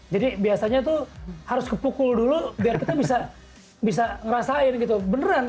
jadi biasanya tuh harus kepukul dulu biar kita bisa ngerasain gitu beneran